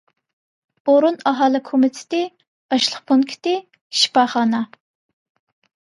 ئورۇن ئاھالە كومىتېتى، ئاشلىق پونكىتى، شىپاخانا.